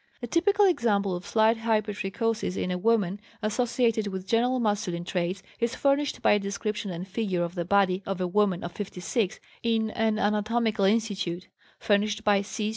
A typical example of slight hypertrichosis in a woman associated with general masculine traits is furnished by a description and figure of the body of a woman of 56 in an anatomical institute, furnished by C.